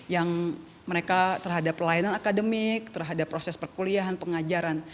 yang mereka terhadap pelayanan akademik terhadap proses perkuliahan pengajaran